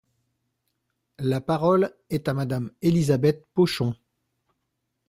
La parole est à Madame Elisabeth Pochon.